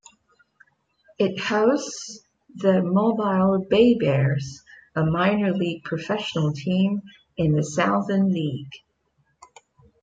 It hosts the Mobile BayBears, a minor-league professional team in the Southern League.